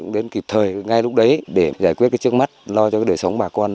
đến kịp thời ngay lúc đấy để giải quyết trước mắt lo cho đời sống bà con